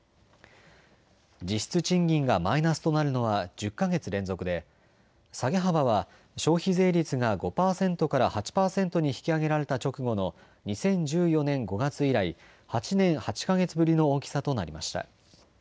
実質賃金がマイナスとなるのは１０か月連続で下げ幅は消費税率が５％から８％に引き上げられた直後の２０１４年５月以来８年８か月ぶりの大きさとなりました。